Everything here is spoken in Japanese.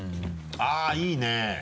あぁいいね。